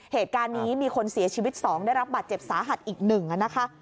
เหตุการณ์นี้มีคนเสียชีวิต๒ได้รับบาดเจ็บสาหัสอีก๑นะคะ